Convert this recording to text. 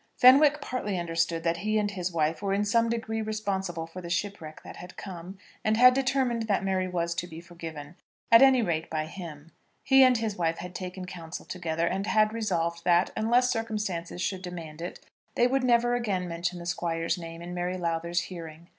Fenwick partly understood that he and his wife were in some degree responsible for the shipwreck that had come, and had determined that Mary was to be forgiven, at any rate by him. He and his wife had taken counsel together, and had resolved that, unless circumstances should demand it, they would never again mention the Squire's name in Mary Lowther's hearing.